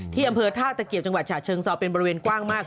อำเภอท่าตะเกียบจังหวัดฉะเชิงเซาเป็นบริเวณกว้างมาก